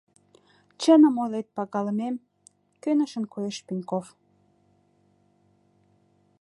— Чыным ойлет, пагалымем, — кӧнышын коеш Пеньков.